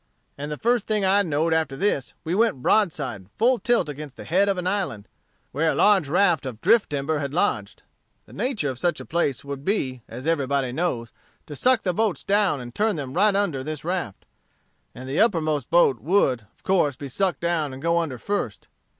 And the first thing I know'd after this we went broadside full tilt against the head of an island, where a large raft of drift timber had lodged. The nature of such a place would be, as everybody knows, to suck the boats down and turn them right under this raft; and the uppermost boat would, of course, be suck'd down and go under first.